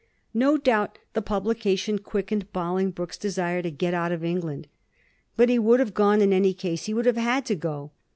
No doubt the publication quickened Boling broke's desire to get out of England. But he would have gone, in any case; he would have had to go.